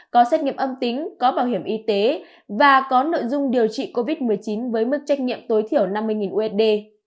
có xét nghiệm âm tính có bảo hiểm y tế và có nội dung điều trị covid một mươi chín với mức trách nhiệm tối thiểu năm mươi usd